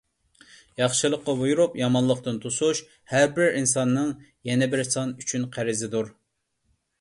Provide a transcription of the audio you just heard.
ياخشىلىققا بۇيرۇپ يامانلىقتىن توسۇش — ھەربىر ئىنساننىڭ يەنە بىر ئىنسان ئۈچۈن قەرزىدۇر.